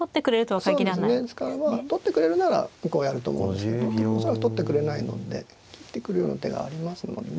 そうですねですからまあ取ってくれるならこうやると思うんですけど恐らく取ってくれないので切ってくるような手がありますもんね